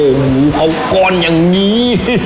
โอ้โหหมูเค้าก้อนอย่างนี้